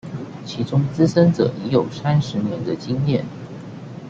其中資深者已有三十年的經驗